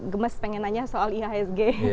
gemes pengen nanya soal ihsg